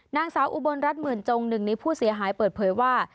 นางสาวอุบลรัฐหมื่นจงหนึ่งในผู้เสียหายเปิดเผยว่า